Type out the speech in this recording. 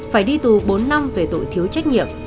phải đi tù bốn năm về tội thiếu trách nhiệm